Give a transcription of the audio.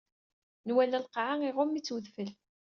Nwala lqaɛa iɣumm-itt wedfel.